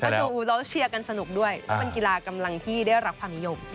ก็ดูแล้วเชียร์กันสนุกด้วยเพราะเป็นกีฬากำลังที่ได้รับความนิยม